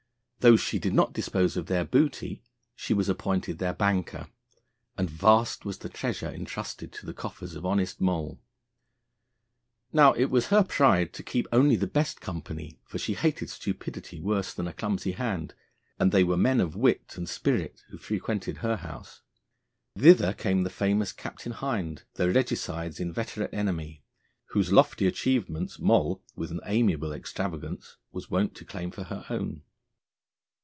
Though she did not dispose of their booty, she was appointed their banker, and vast was the treasure entrusted to the coffers of honest Moll. Now, it was her pride to keep only the best company, for she hated stupidity worse than a clumsy hand, and they were men of wit and spirit who frequented her house. Thither came the famous Captain Hind, the Regicides' inveterate enemy, whose lofty achievements Moll, with an amiable extravagance, was wont to claim for her own.